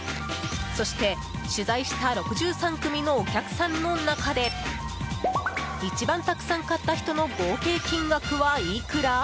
そして取材した６３組のお客さんの中で一番たくさん買った人の合計金額はいくら？